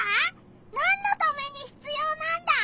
なんのためにひつようなんだ？